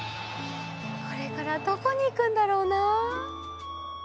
これからどこにいくんだろうな。